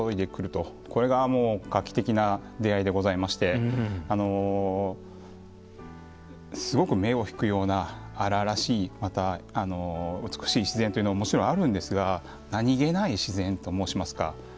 これがもう画期的な出会いでございましてすごく目を引くような荒々しいまた美しい自然というのももちろんあるんですが何気ない自然と申しますか